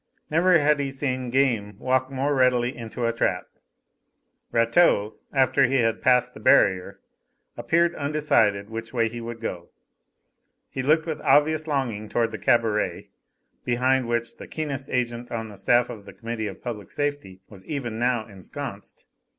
Never had he seen game walk more readily into a trap. Rateau, after he had passed the barrier, appeared undecided which way he would go. He looked with obvious longing towards the cabaret, behind which the keenest agent on the staff of the Committee of Public Safety was even now ensconced.